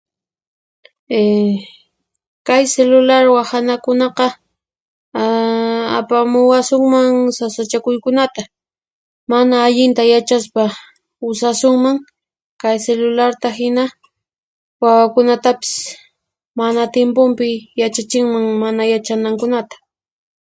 Ehh kay cilular wahanakunaqa ahh apamuwasunman sasachakuykunata, mana allinta yachaspa usasunman kay cilularta, hina wawakunatapis mana timpunpi yachachinman mana yachanankunata.